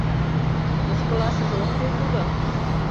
Мыскылашыже ок кӱл тудо...